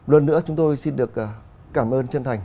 luôn nữa chúng tôi xin được cảm ơn chân thành